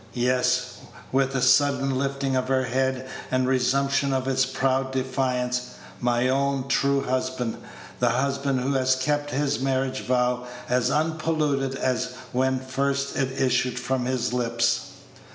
Yes," with a sudden lifting of her head, and reassumption of its proud defiance, "my own true husband; the husband who has kept his marriage vow as unpolluted as when first it issued from his lips!"